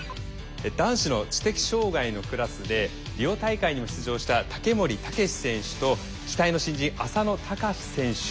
男子の知的障害のクラスでリオ大会にも出場した竹守彪選手と期待の新人浅野俊選手。